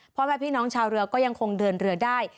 พ่อแม่พี่น้องชาวเรือก็ยังคงเดินเรือได้